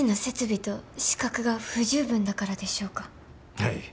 はい。